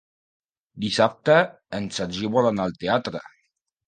Dissabte en Sergi vol anar al teatre.